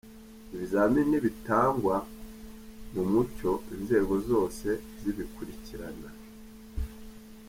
Ibizamini bitangwa mu mucyo inzego zose zibikurikirana.